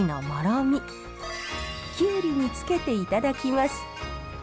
キュウリにつけていただきます。